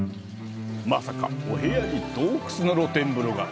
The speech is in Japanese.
まさか、お部屋に洞窟の露天風呂が。